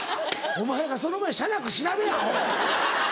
お前がその前に写楽調べぇアホ！